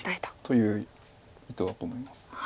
という意図だと思います。